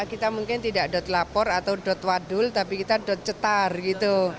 kita mungkin tidak dotlapor atau dotwadul tapi kita dotcetar gitu